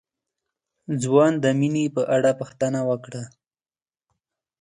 ځوان د مينې په اړه پوښتنه وکړه.